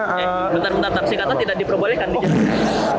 eh bentar bentar singkatan tidak diprobolehkan